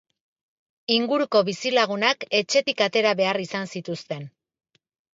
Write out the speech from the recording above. Inguruko bizilagunak etxetik atera behar izan zituzten.